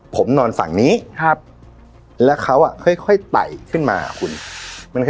ผมนอนฝั่งนี้ครับแล้วเขาอ่ะค่อยไต่ขึ้นมาคุณ